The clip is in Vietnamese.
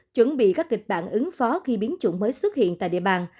chuẩn bị các kịch bản ứng phó khi biến chủng mới xuất hiện tại địa bàn